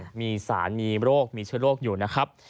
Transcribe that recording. มีสารมีโรคมีเชื้อโรคอยู่นะครับ